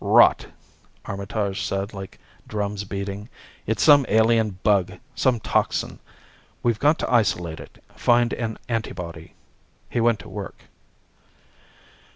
"Rot!" Armitage said like drums beating. "It's some alien bug, some toxin. We've got to isolate it, find an antibody." He went to work.